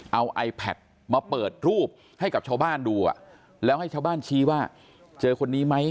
เอาไอแพทมาเปิดรูปให้กับชาวบ้านดูอ่ะแล้วให้ชาวบ้านชี้ว่าเจอคนนี้ไหม